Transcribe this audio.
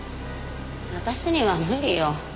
私には無理よ。